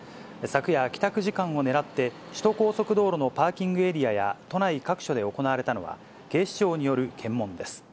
昨夜、帰宅時間を狙って、首都高速道路のパーキングエリアや都内各所で行われたのは、警視庁による検問です。